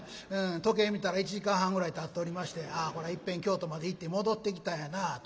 時計見たら１時間半ぐらいたっておりまして「ああこれはいっぺん京都まで行って戻ってきたんやなあ」とね。